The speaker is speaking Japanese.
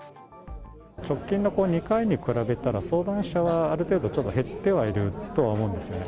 直近の２回に比べたら、相談者はある程度、ちょっと減ってはいると思うんですよね。